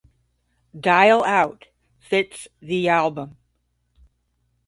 "Dial Out" fits the album.